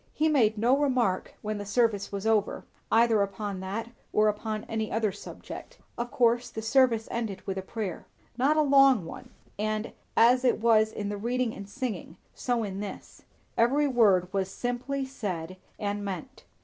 He made no remark when the service was over, either upon that or upon any other subject. Of course the service ended with a prayer. Not a long one; and as it was in the reading and singing, so in this; every word was simply said and meant.